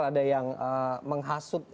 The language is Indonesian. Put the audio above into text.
ada yang menghasut